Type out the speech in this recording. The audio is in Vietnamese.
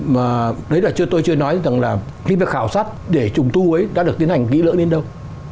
mà đấy là chưa tôi chưa nói rằng là cái việc khảo sát để trùng tu ấy đã được tiến hành nghĩ lỡ đến đâu